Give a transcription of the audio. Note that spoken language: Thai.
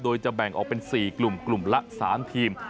โดยจะแบ่งออกเป็น๔กลุ่มกลุ่มละ๓ทีม